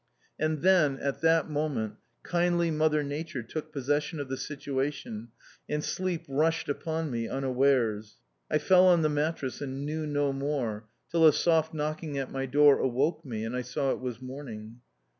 And then, at that point, kindly Mother Nature took possession of the situation and sleep rushed upon me unawares. I fell on the mattress and knew no more, till a soft knocking at my door awoke me, and I saw it was morning.